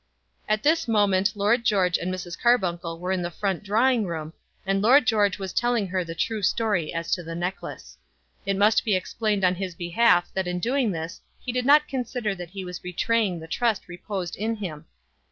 At this moment Lord George and Mrs. Carbuncle were in the front drawing room, and Lord George was telling her the true story as to the necklace. It must be explained on his behalf that in doing this he did not consider that he was betraying the trust reposed in him.